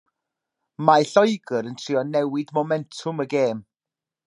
Mae Lloegr yn trio newid momentwm y gêm.